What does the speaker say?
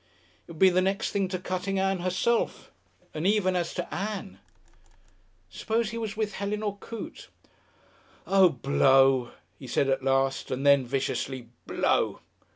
It would be the next thing to cutting Ann herself. And even as to Ann! Suppose he was with Helen or Coote!... "Oh, Blow!" he said, at last, and then, viciously, "_Blow!